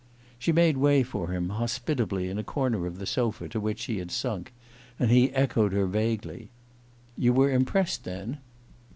She made way for him, hospitably, in a corner of the sofa to which she had sunk; and he echoed her vaguely: "You were impressed, then?"